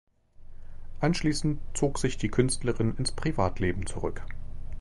Anschließend zog sich die Künstlerin ins Privatleben zurück.